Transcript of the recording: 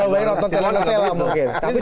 terlalu banyak orang yang menonton telepon telepon